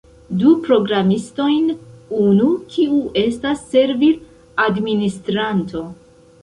Du programistojn unu, kiu estas servil-administranto